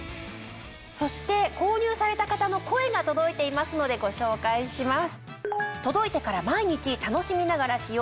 そして購入された方の声が届いていますのでご紹介します。